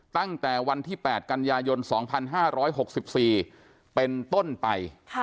ตั้งแต่วันที่๘กันยายน๒๕๖๔เป็นต้นไป